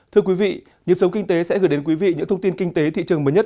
thưa quý vị nhiệm sống kinh tế sẽ gửi đến quý vị những thông tin kinh tế thị trường mới nhất